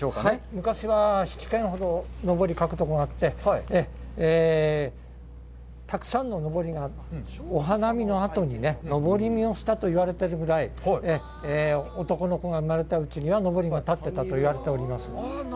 昔は７軒ほどのぼりを描くところがあってたくさんののぼりがお花見のあとにのぼり見をしたと言われているぐらい男の子の生まれたうちにはのぼりが立ってたと言われております。